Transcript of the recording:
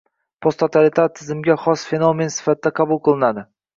posttotalitar tizimlarga xos fenomen sifatida qabul qilinadi.